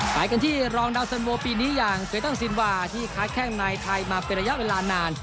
ไปกันที่รองดาวสันโวปีนี้อย่างเกยตันซินวาที่ค้าแข้งในไทยมาเป็นระยะเวลานาน